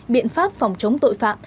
biện pháp phòng chống tội phạm